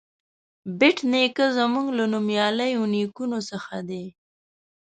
بېټ نیکه زموږ له نومیالیو نیکونو څخه دی.